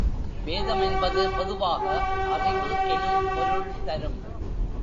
வேதம் என்பது பொதுவாக அறிவு எனும் பொருள் தரும்.